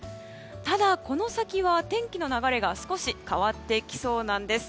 ただ、この先は天気の流れが少し変わってきそうなんです。